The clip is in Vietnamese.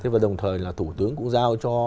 và đồng thời là thủ tướng cũng giao cho